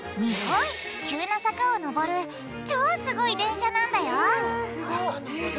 日本一急な坂をのぼる超すごい電車なんだよ